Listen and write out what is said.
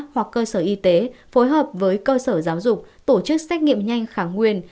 hoặc cơ sở y tế phối hợp với cơ sở giáo dục tổ chức xét nghiệm nhanh khẳng nguyên